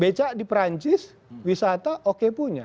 becak di perancis wisata oke punya